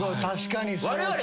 確かにね。